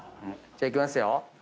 じゃいきますよ。